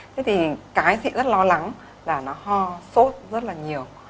thế thì cái chị rất lo lắng là nó ho sốt rất là nhiều